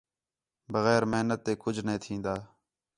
بغیر محنت تے کُج نے تِھین٘دا